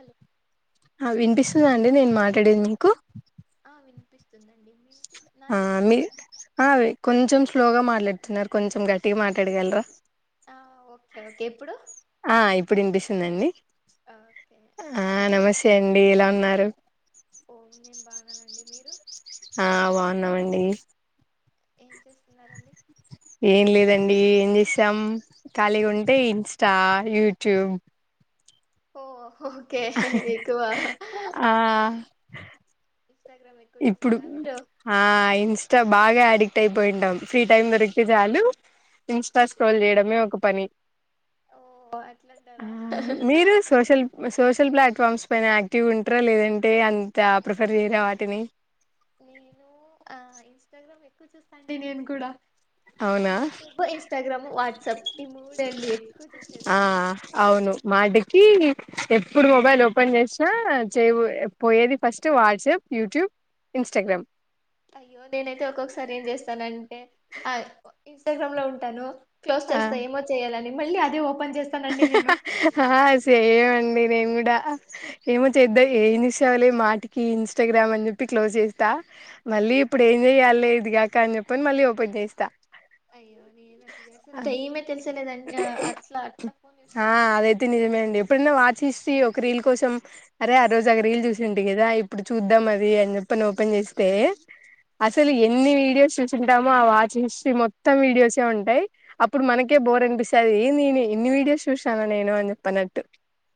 Hello అ వినిపిస్తుంద వినపడుతుందా అండి నేను మాట్లాడేది మీకు నిపిస్తుందండి మీ ఆ మీది ఆవి కొంచం స్లోగా మాట్లాడుతున్నారు కొంచెం గట్టిగా మాట్లాడగలరా ఆ ఓకే ఓకే ఇప్పుడు ఆ ఇప్పుడు వినిపిస్తుందండి ఓకే అ ఏం నమస్తే చేస్తున్నారండి అండి ఎలా ఉన్నారు ఓ నేను బాగున్నానండి మీరు ఆ బాగున్నామండి ఏం చేస్ ఏం లేదండీ చేసాం ఖాళీగా ఉంటే ఇన్స్టా యూట్యూబ్ ఓ ఓకే ఎక్కువ ఆ ఇన్స్టాగ్రామ్ ఎక్కువ ఇప్పుడు చూస్తారా మీరు అ ఇన్స్టా బాగా అడిక్ట్ అయిపోయింటాం ఫ్రీ టైం దొరికితే చాలు ఇన్స్టా స్క్రోల్ చేయడమే ఒక పని ఓ అ అట్లంటారా మీరు సోషల్ సోషల్ ప్లాట్ఫ ఫామ్స్ పైన యాక్టివ్గా ఉంటారా లేదంటే అం తా నే- ప్రిఫర్ చేయర వాటిని నేను ఆ ఇంస్టాగ్రామ్ ఎక్కువ చూస్తా అండి నేను కూడా అవునా యూట్యూబ్ ఇన్స్టాగ్రామ్ వాట్సాప్ ఈ మూడండి ఎక్కువ చూసేది ఆ అంటే అవును మాటికి ఎప్పుడు మొబైల్ ఓపెన్ చేసినా చేయ్ పోయేది ఫస్ట్ వాట్సాప్ యూట్యూబ్ ఇంస్టాగ్రామ్ అయ్యో నేనైతే ఒక్కొక్కసారి ఏం చేస్తానంటే హాయ్ ఇంస్టాగ్రామ్ లో ఉంటాను క్లోజ్ చేస్తా ఏమో చేయాలని మళ్ళీ అదే ఒ హహహ హా సేమ్అం డి నేన్ కూడా ఏమో ఆ చేద్దా ఏయానిసలే మాటికి ఇంస్టాగ్రామ్ అని చెప్పి క్లోజ్ చేయిస్తా మళ్ళీ ఇప్పుడు ఏం చెయాలే ఇదిగాక అని చెప్పొని మళ్ళీ ఓపెన్ చేయిస్తా అయ్యో నేన్ అట్ల చేస్త్ టైమే తెలిసే ఆ చేస్తాం మేము అదైతే నిజమే అసలు. అండి ఎప్పుడైనా వాచ్ హిస్టరీ ఒక రీల్ కోసం అరే ఆ రోజు రీల్ చూసింటి కదా ఇప్పుడు చూద్దాం అది అని చెప్పనీ ఓపెన్ చేస్తే అసలు ఎన్ని వీడియోస్ చూ సింటామో ఆ వాచ్ హాస్టరీ మొత్తం వీడియోస్ సే ఉంటాయి అప్పుడు మనకే బో అనిపిస్తది ఏంది ఏ ఇన్ని వీడియోస్ చూశానా నేను అని అ చెప్పనట్టు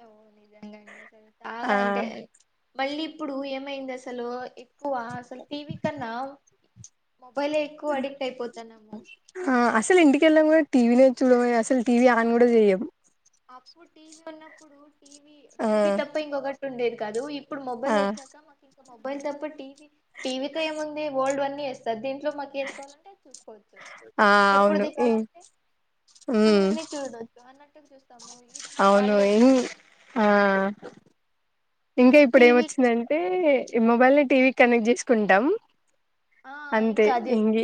అవు నిజంగా అంటే అసలు చాలా ఆ అంటే మళ్ళీ ఇప్పుడు ఏమైంది అసలు ఎక్కువ అసలు టీవీ కన్నా మొబైలే ఎక్కువ అడిక్ట్ అయిపోతాన్నాము ఆ అసలు ఇంటికెళ్లే ముందు టివినే చూడము అసలు టీవి ఆన్ కూడా ఆ చేయం అప్పుడు టీవీ ఉన్నప్పుడు టీవి ఆ టీవి తప్ప ఇంకొకటి ఉండేది కాదు ఇ ఇప్పుడు ఆ మొబైల్ వచ్చాక మొ మొబైల్ తప్ప టీవీ టీవీతో ఏముంది ఓల్డ్ అన్ని వేస్తారు దీని ఇట్లో మాకు ఎం కావాలంటే చూసుకోవచ్చు ఆ అవును ఎప్పుడుది ఉమ్ కావాలంటే ముందువన్నీ చూడోచ్చు అన్నే అవును ఇన్ ఆ ఇంకా ఇప్పుడు ఎం టీవీ వచ్చిందంటే ఈ మొబైల్ టీవీ కనెక్ట్ చేసుకుంటాం ఆ అంతే ఇంకా అదే ఇంగి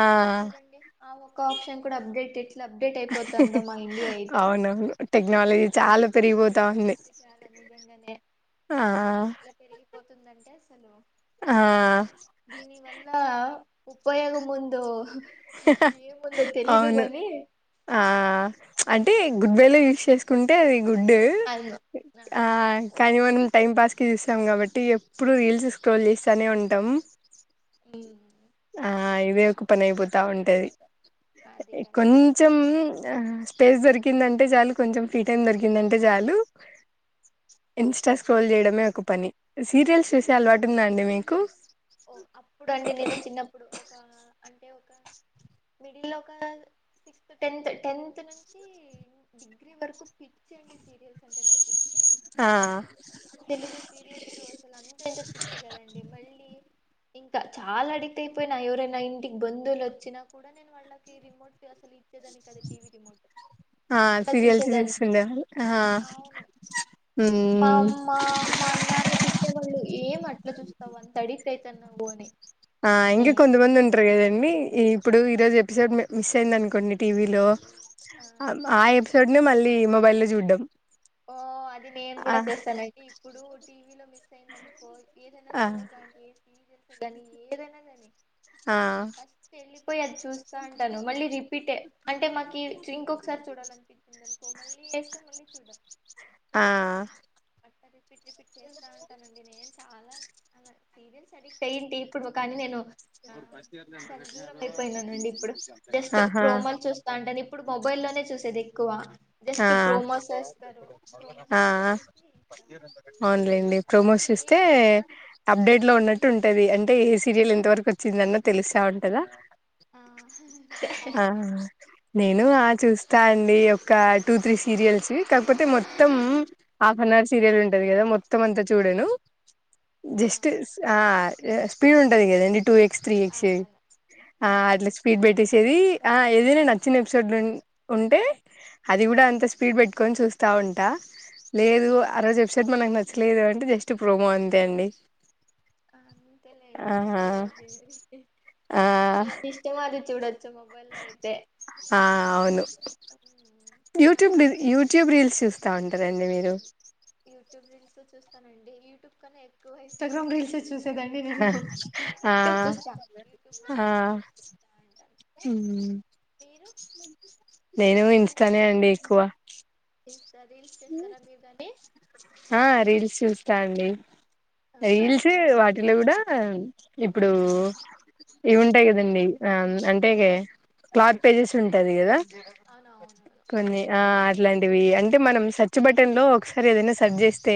ఆ చూడండి ఆ ఒక్క ఆప్షన్ కూడా అప్డేట్ ఎట్లా అప్డేట్ అయిపోతుందో మా ఇండియా అయితే అవునవును టెక్నాలజీ ఓ చాలా పెరిగిపోతా ఉంది టెక్నాలజీ చాలా నిజంగానే ఆ ఎస్ యా నో ఆ దీని వల్ల ఉపయోగం ముందు ఏముందో తెలీదు అవును గాని ఆ అంటే గుడ్ వే లో యూస్ చేసు కుంటే గుడ్డు అవును అదే ఆ కానీ మనం టైం పాస్కి చూస్తాం కాబట్టి ఎప్పుడు రీల్స్ స్క్రోల్ చేస్తానే ఉంటాం ఉమ్ ఆ ఇదే ఒక పని అయిపోతా ఉంటది అది కరెక్టే కొంచం మీరే స్పేస్ దొరికి దందంటే చాలు కొంచెం ఫ్రీ టైం దొరికిందంటే చాలు ఇన్స్టా స్క్రోల్ చేయడమే ఒక పని డీటెయిల్స్ చేసే ఆ అలవాటు ఉందా అండి మీకు ఓ అండి నేను చిన్నప్పుడు అప్పుడు ఒక అంటే ఒక మిడిలో ఒక సిక్స్త్ టెన్త్ టెన్త్ నుంచి డిగ్రీ వరకు పిచ్చండి సీరియల్స్ అంటే నాకు ఆ తెలుగు సీరియల్స్ అంత ఇంత పిచ్చి కదండి మళ్ళీ ఇంకా చాలా అడిక్ట్ అయిపోయినా ఎవరైనా ఇంటికి బంధువులు వచ్చినా కూడా నేను వాళ్ళకి రిమోట్ అసలు ఇచ్చేదాని కదా టీవీ రిమోట్ ఆ అట్లా సీరియల్స్ చూసేదాన్ని చూస్తుండేవాళ్ళు ఆ అవును మా మ్మ్ అమ్మ మా అన్న నన్ను తిట్ ఏం అట్లా చూస్తావు అంత అడిక్ట్ అయితున్నావు అని ఆహ్ ఇంగా నేను కొంతమంది అసలు ఉంటారు కదండి ఇగ్ ఇప్పుడు ఈరోజు ఎపిసోడ్ మే మిస్ అయింది అనుకోండి టీవీలో. ఆ ఆహ్ ఆ ఎపిసో ఎపిసోడ్నే మళ్ళీ మొబైల్ లో చూడ్డం. ఓ అది నేను ఆ కూడా చేస్తానండి. ఇప్పుడు టీవీలో మిస్ అయిందనుకో ఏదైనా ఆ షో గానీ సీరియల్స్. సీరియల్ని ఏదైనా కానీ. ఆ ఫస్ట్ వెళ్ళిపోయి అది చూస్తాంటాను. మళ్ళీ రిపీటే అంటే మాకి ఇంకొకసారి చూడాలనిపించిందనుకో మళ్ళీ వేస్కుని మళ్ళీ చూడ్డం. ఆ అట్టా రిపీట్ రిపీట్ చేస్తా ఉంటానండి నేను చాలా. అలా సీరియల్స్ అడిక్ట్ అయ్యింటి. ఇప్పుడు కానీ నేను ఆహ్ దాని దూరం అయిపోయినానండి ఇప్పుడు. జస్ట్ ఆహా ప్రోమోలు చూస్తాంటాను. ఎప్పుడు మొబైల్లోనే చూసేది ఎక్కువ జస్ట్ ప్రోమోస్స్. ఆహ్ ఆహ్ అవునులేండి ఉరికిపోతాండి ప్రోమోస్ చూస్తే మీరు అప్డేట్లు. లో ఉన్నట్టు ఉంటది అంటే ఏస్. ఏ సీరియల్ ఎంత వరకు వచ్చిందన్న తెలుస్తా ఉంటదా. ఆ అంతే ఆహ్ నేను మీరు ఆహ్ చూస్తా అండి. ఒక టూ త్రీ సీరియల్స్ కాకపోతే మొత్తం హాఫ్ అన్ అవర్ సీరియల్ ఉంటది కదా మొత్తం అంతా చూడను. ఆ జస్ట్ స్ ఆహ్. ఎస్. పీన్ంటది కదండి టూ ఎక్స్. త్రీ ఎక్స్ అవునవును ఆ ఆహ్ అట్లా స్కిప్ స్పీడ్ చేసుకొని పెట్టేసేది. ఆహ్ ఏదైనచ్చ వచ్చిన ఎపిసోడ్లు ఉం ఉంటే అది కూడా అంత స్పీడ్ పెట్టుకని చూస్తా ఉంటా. లేదు ఉమ్, ఆ రోజు ఎపిసోడ్ మనం లేదు అంటే జస్ట్ ప్రోమో అంతే అండి. కాదు. అంతేలేండి ఆహా ఇంకేముంది [unintelligible] మనకి ఎమి ఇష్టమో అది చూడచ్చు. ఆహ్ అవును ఉమ్, మాకు యూట్యూబ్ నిన్ నచ్చకపోతే యూట్యూబ్ రీల్స్ చూస్తా ఉంటానండి నేను. యూట్యూబ్ రీల్స్ చూస్తానండి యూట్యూబ్ కంటే ఎక్కువ ఇంస్టాగ్రామ్ రీల్స్ చూస్. ఆహ్ యూట్యూబ్ లో కూడా ఆహ్. రీల్స్ చూస్తా ఉంటాను ఉమ్ మీరు లే నేను ఇంస్టాగ్రామే అండి ఎక్కువ. ఉమ్. రీల్స్ చేస్తారా మీరు దాని. ఆహ్ రీల్స్ చూస్తా అండి. అవునా రీల్స్ వాటిలో కూడా. ఆహ్ ఇప్పుడు ఇవి ఉంటాయి కదండి ఆహ్ అంటే క్లాత్ పేజెస్ ఉంటాంది కదా. అవునవునవును కొన్ని ఆ అ ఇట్లాంటివి అంటే మనం సెర్చ్ బటన్ లో ఒకసారి ఏదైనా సర్ చేస్తే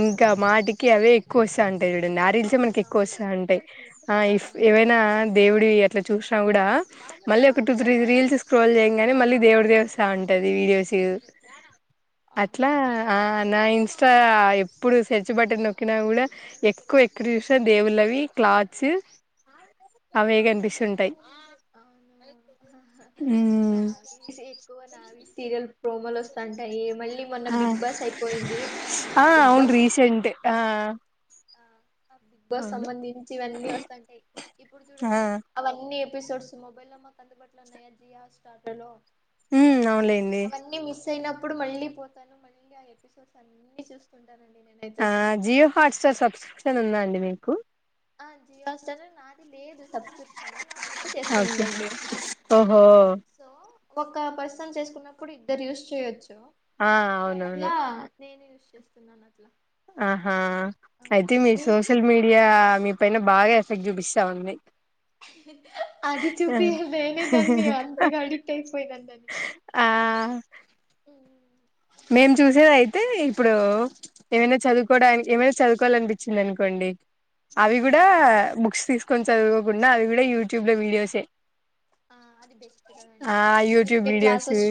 ఇంకా మాటికి అవే కోసం చూడండి ఆ ర ఇల్చే మనకి ఎక్కువ అవునవును వస్తాంది ఆ అంటాయిఫ్ ఏవైనా దేవుడు ఇ ఎట్లా చూసినా కూడా మళ్ళీ ఒక టూ అవును త్రీ రీల్స్ స్క్రోల్ చేయంగానే మళ్ళీ దేవుడి దేవస్తా ఉంటది వీడియోస్ అట్లా అవునవును ఆ నా ఇంస్టా ఎప్పుడు సెర్చ్ బటన్ నొక్కినా కూడా ఎక్కువ ఎక్కడ చూసినా దేవుళ్ళవి క్లాత్స్ అవే కనిపిస్తుంటాయి అవును ఉమ్ నావి ఎక్కువ నావి సీరియల్ ప్రోమోలు వస్తంటాయి ఏమ ఆ ఆ బిగ్ అవును బాస్ రీసెంట్ ఆ ఆ బిగ్ బాస్ అవును సంబంధించి ఇవన్నీ వస్తాంటాయి ఇప్పుడు ఆ చూడండి అవన్నీ ఎపిసోడ్స్ మొబైల్ కందుబట్ల ఉన్నాయ జి స్టార్ట సో ఉమ్ అవునులేండి అవన్నీ మిస్ అయిన అప్పుడు మళ్ళీ పోతాను మళ్ళీ ఆ ఎపిసోడ్స్ అన్ని చూస్తు ఆ జివో హాట్ స్టార్ సబ్స్క్రిప్షన్ ఉంద అండి మీకు ఆ జియోస్ట నాది లేదు సబ్ ష నా ఫ్రెండ్ ఓకే చేసుకనిందండి ఓహో సో ఒక పర్సన్ చేసుకున్నప్పుడు ఇద్దరు యూస్్ చేయొచ్చు ఆ అవునవును చేస్తున్నాన్నట్లా ఆహా అయితే మీ మీది సోషల్ మీడియా మీ పైన బాగా ఎఫెక్ట్ చూపిస్తా ఉంది అది చూపిించ నేనే దాన్ని అంతగా అడిట్ అయిపోయిదాన్ని దానికి ఆ మేము చూసేది అయితే ఇప్పుడు ఏమైనా చదువుకోవడానికి ఏమైనా చదువుకోవాలనిపించింది అనుకోండి అవి అవునా కూడా బుక్స్ తీస్త కొ చదువకోకుండా అది కూడా యూట్యూబ్ లో వీడియోసే ఆ అది బెస్ట్ ఆ కదండి యూట్యూబ్ ఎందుకంటే వీడియోస్ క్లాసెస్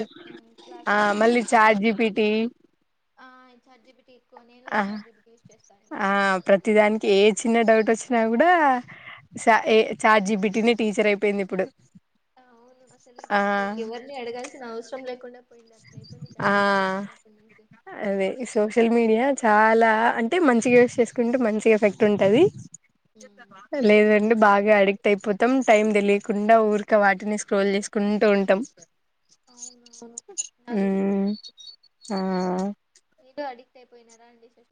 క్లాసెస్ విన్నట్యిపోంది పిటీ జీపీటీ ఎక్కువ నేను చాట్ జీపీటీ యూస్ చేస్తానండి ఆ ప్రతిదానికి ఏ చిన్న డౌట్ వచ్చినా కూడా సా ఏ చాట్జిపిటినే టీచర్ అయిపోయింది ఇప్పుడు అవును అసలు ఆ ఇప్పుడు పోయి ఎవరిని అడగాల్సిన అవసరం లేకుండా పోయింది అట్లా అయిపోయింది చాట్ ఆ జీపీటీ వచ్చినప్పటి నుంచి అదే సోషల్ మీడియా చాలా అంటే మంచిగా యూస్ చేసుకుంటే మంచి ఎఫెక్ట్ ఉంటది ఉమ్, లేదండి బాగ్ గా అడిక్ట్ అయిపోతాం టైం తెలియకుండా ఉరికా వాటినే స్క్రోల్ చేసుకుంటా ఉంటాం అవునవును [unintelligible] అది హ్మ్ నిజమే ఆ మీతో అడిక్ట్ అయిపోయారా అండి సోష్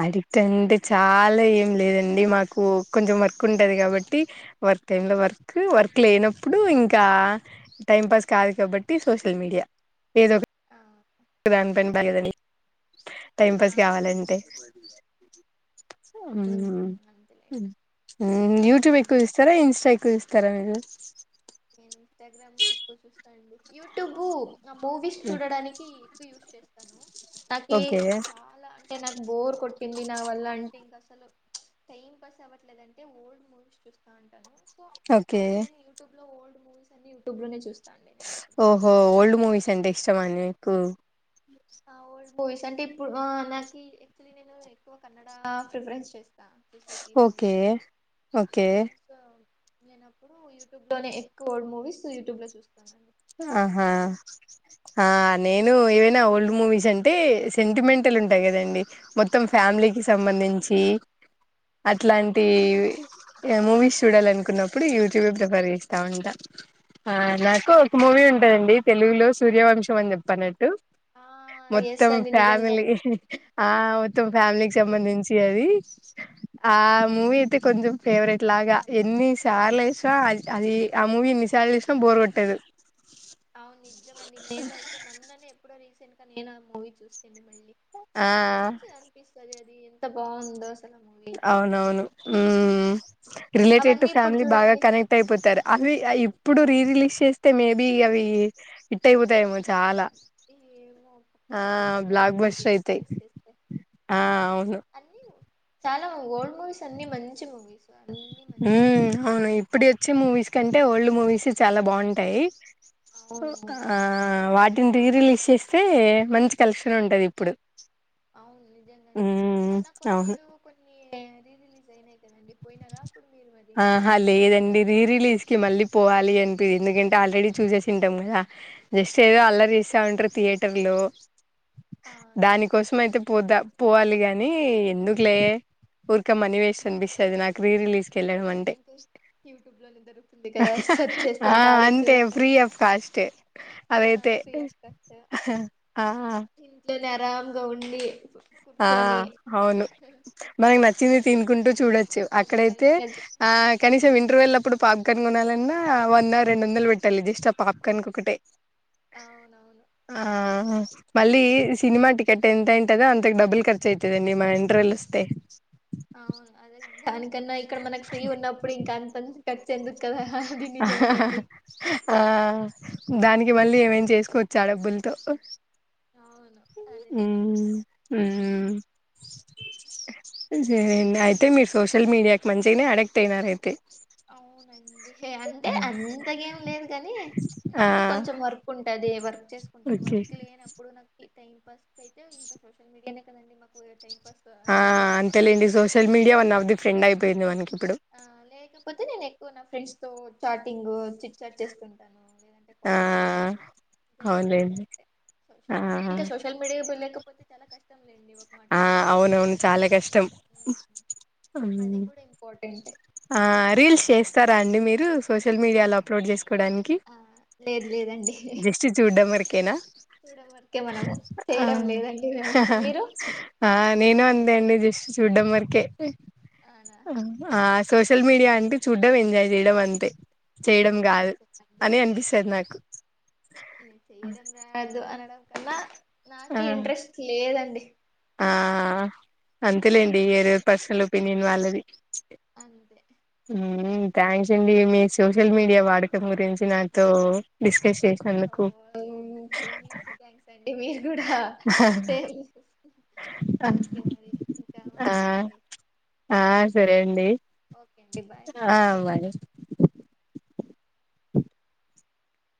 అడిక్ట్ అంటే చాలా ఏం లేద్ అండి మాకు కొంచెం వర్క్ ఉంటది కాబట్టి వర్క్ టైం ఆ లో వర్క్ వర్క్ లేనప్ ప్పుడు ఇంకా టైం పాస్ కాదు కాబట్టి సోషల్ మీడియా ఏదో ఆ దాన్ పని పనిగొని టైం ఆ, పాస్ కావాలంటే అవునవును ఉమ్, అంతేలే యూట్యూబ్ ఉమ్. ఎక్కువ చూస్తారా ఇన్స్టా ఎక్కువ చూస్తారా తర మీరు నేను ఇన్స్టాగ్రామే ఎక్కువ చూస్తాండి యూట్యూబు ఆ మూవీస్ హ్మ్. చూడడానికి ఎక్కువ యూజ్ చేస్ హలో నాకీ ఓకే చాలా అంటే నాకు బోర్ కొట్ ట్టింది నా వల్ల అంటే ఇంకా అసలు టైం పాస్ అవ్వట్లేదుంటే ఓల్డ్ మూవీస్ చూస్తా ఉంటాను ఓకే న్న ఓల్డ్ మూవీస్ అన్ని యూట్యూబ్ లోనే చూస్ ఓహో ఓల్డ్ మూవీస్ అంటే ఇష్ ష్టమా అండి మీకు ఓల్డ్ మూవీస్ అంటే ఇప్పుడు నాకీ ఏక్చుల్లీ నేను ఎక్కువ కన్నడ ప్రిఫరెన్స్ చేస్ స్తా చూసేకి ఓకే మూవీస్సు ఓకే నేనప్పుడు యూట్యూబ్ లోనే ఎక్కువే మూవీస్ యూట్యూబ్ లో చూస్ ఆహా ఆ నేను ఏవైనా ఓల్డ్ మూవీస్ అంటే సెంటిమెంటల్ ఉంటాయి కదండి మొత్తం అవునవును ఫ్యామిలీకిి సంబంధించి ఆ, అట్లాంటి మూవీస్ చూడాలనుకున్నప్పుడు యూట్యూబే ప్రిఫర్ చేస్తా ఉంటా ఆ అవునా నాకు మళ్ళీ ఉంటాదండి తెలుగులో సూర్యవంశం అని చెప్పనట్టు ఆ ఎస్ మొత్తం అండి నిజంగా ఫ్యామిలీ ఆ మొత్తం ఫ్యామిలీకి అయి సంబందించి అది ఆ మూవీ అయితే కొంచెం ఫేవరెట్ లాగా ఎన్ని సర్లేస్న అది ఆ మూవీ ఎన్ని సార్లు చూసిన బోర్ కొట్టదు అవును నిజమండి నేను అయితే మొన్ననే ఎప్పుడో రీసెంట్ ఇంక నేను ఆ మూవీ చుస్తిని మళ్లీ ఆ మళ్ళీ మంచిగ అనిపిస్తది అది ఎంత బావుందో అసలు ఆ మూవీ అయితే అవునవును నిజంగానే మ్మ్ హుమ్ రిలేటెడ్ టు అవన్నీ ఇప్పుడు ఫ్యామిలీ బాగా చూడండి కనెక్ట్ అయిపోతరు అవి అ ఇప్పుడు రీ రిలీజ్ చేస్తే మేబీ అవి హిట్ అయిపోతాయేమో చాలా ఏమో ఆ ఖచ్చితంగా బ్లాక్ అవుతుందని బస్టర్ అయితాయి తెలిచేస్తే ఆ అవును అన్నీ చాల ఓల్డ్ మూవీస్ అన్ని మంచి మూవీస్ అన్ని మంచిగా హుమ్ తీసినారు అవును ఇప్పుడు వచ్చి మూవీస్ కంటే ఓల్డ్ మూవీస్ చాలా బాగుంటాయి అవునవును ఆ వాటిన్ రీ రిలీజ్ చేస్తే మంచి కలెక్షన్ ఉంటది ఇప్పుడు అవును నిజంగానే మ్మ్ మొన్న కో ఏవేవో కొన్ని రీ రిలీజ్ అయినాయి కదండి పోయినారా అప్పుడు మీరు మరి ఆహ లేదండి రీ రిలీజ్ కి మళ్ళీ పోవాలి అనిపిదు ఎందుకంటే ఆల్రెడీ చుసేసింటం కదా జస్ట్ ఆ ఏదో అల్లరి చేస్తా ఉంటరు థియోటర్ లో అవునవును దానికోసం అయితే పోతా పోవాలి గాని ఎందుకులే ఊరక మనీ వేస్ట్ అనిపిస్ అనిపిస్తది నాకు రీ రిలీజ్ కెళ్ళడం అంటే ఇంకా యూట్యూబ్ లోనే దొరుకుతుంది కదా సెర్చ్ చేస్తే ఆ ఇంకా ఆడే అంతే ఫ్రీ చూడొద్దంటారా ఆఫ్ కాస్ట్ ఆ అదైతే ఫ్రీ ఆఫ్ కాస్ట్ ఇంట్లో ఆరంగా ఉండి ఆ కూర్చొని అవును మనకు నచ్చింది రెస్ట్ తినుకుంటూ చూడొచ్చు అదే మరి అక్కడైతే నిజ- ఆ కనీసం ఇంటర్ వెల్లప్పుడు పాప్ పాప్కార్న్ కొనాలన్నా వంద రెండు వందలు పెట్టాలి జస్ట్ ఆ పాప్కార్న్ ఒకట్టే అవునవును ఆ మళ్ళీ సినిమా టికెట్ ఎంత అయింటదో అం తకి డబుల్ ఖర్చు అయితుది అండి మా ఇంటర్వెల్ వస్తే అవును అదే దానికన్నా ఇక్కడ మనకు ఫ్రీ ఉన్నప్పుడు ఇంకా అంత త ఆ హా హా హా ఆ దానికి మళ్ళీ ఏమైనా తీసుకోవచ్చు ఆ డబ్బులతో అవును అది నిజమే ఉమ్ ఉమ్ సరే అండి అయితే మీరు సోషల్ మీడియాకి మంచిగానే అడక్ట్ అయినార అయితే అవు నండి అంటే అంతగా ఏం లేదు కానీ ఆ నాకి కొంచెం వర్క్ ఉంటాది వర్క్ చేసుకుంటాను ఓకే వర్క్ లేనప్పుడు నాకి టైం పాస్ అయితే ఇంకా సోషల్ మీడియానే కదండి మాకు టైం పాస్ ఆ అయ్యేది ఎక్కువ అంతేలెండి social media one of the friend అయి పోయింది మనకి ఇప్పుడు ఆ లేకపోతే నేను ఎక్కువ నఫ్ ఫ్రెండ్స్ తో చాటింగ్ చిట్ చాట్ చేస్తుంటాను లేదంటే ఆ కాల్స్ పావ్ ఇట్లా జరుపుతా ఉంటాయి అవునులేండి అంతే ఆ సోషల్ మీడియా ఇంకా సోషల్ మీడియా పోలేకపోతే చాలా కష్టం లేండి ఒక ఆ మాటలో చెప్పుకోవాలంటే అవునవును చాలా కష్టం ఉమ్, ఆ అది కూడా ఇంపార్టెంటే ఆ రీల్స్ అన్ని మనం చేస్తారా యూస్ అండి మీరు సోషల్ మీడియాలో ఆహా అప్లోడ్ చేసుకోడానికి ఆ లేదు లేదండి జస్ట్ చూడ్డం వరకేనా చూడడం వరకే మనము ఆ చేయడం లేదండి మేము హా హా మీరు ఆ నేను అంతే అండి జష్ట్ చూడ్డం వరకే అవునా ఆ ఆ ఉమ్, సోషల్ మీడియా అండి చూడ్డం ఎంజాయ్ చేయడం అంతే చేయడం అంతే నేను కాదు చెప్పండి అని అనిపిస్తది నాకు నేను చెయడం రాదు అనడం అన్న ఆ నాకి ఇంట్రెస్ట్ లే లేదండి ఆ అంతేలేండి ఎవరు పర్సనల్ ఒపీనియన్ వాళ్ళది అంతే ఉమ్మ్ థ్యాంక్స్ అండి మీ సోషల్ మీడియా వాడకం గురించి నాతో డిస్ క్స్ చేసినందుకు ఓకే మీకు థ్యాంక్స్ అండి మీరు కూడా సేమ్ ఆ ఓకే మరి ఇంకా ఆ ఉందా అండి ఆ సరే అండి ఓకే అండి బాయ్ ఆ బాయ్